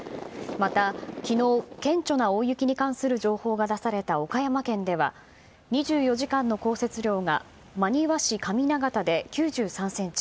また、昨日顕著な大雪に関する情報が出された岡山県では２４時間の降雪量が真庭市上長田で９３ｃｍ